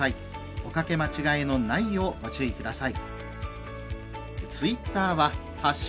おかけ間違いのないようご注意ください。